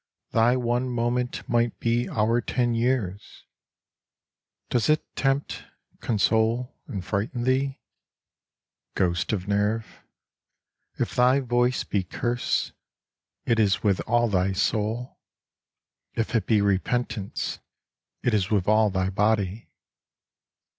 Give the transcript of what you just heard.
Thy one moment might be our ten years : Does it tempt, console and frighten thee ? Ghost of nerve. If thy voice be curse. It is with all thy soul. If it be repentance^ It is with all thy body.